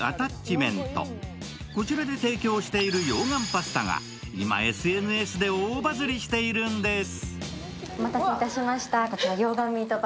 こちらで提供している溶岩パスタが今ＳＮＳで大バズリしているんです。